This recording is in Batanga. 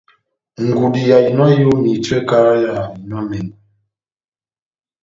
Ngudi ya ehinɔ ya eyomi ehitiwɛ kahá yá ehinɔ yá emɛngwɛ